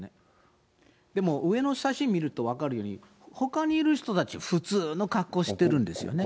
でも上の写真を見ると分かるように、ほかにいる人たちは普通の格好してるんですよ。